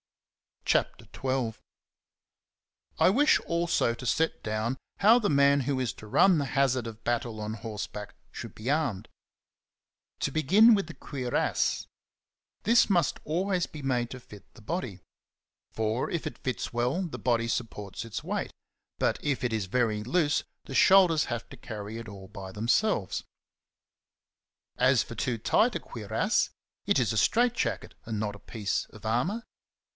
CHAPTER XII. I WISH also to set down how the man who is to run the hazard of battle on horse back should be armed. To begin with the cuirass. 59 This must always be made to fit the body; for if it fits well, the body sup ports its weight, but if it is very loose, the shoulders have to carry it all by themselves. As for too tight a cuirass, it is a strait jacket and not a piece of armour.